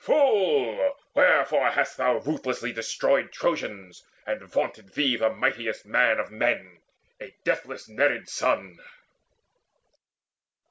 Fool, wherefore hast thou ruthlessly destroyed Trojans, and vaunted thee the mightiest man Of men, a deathless Nereid's son?